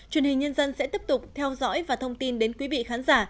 truyền hình nhân dân sẽ tiếp tục theo dõi và thông tin đến quý vị khán giả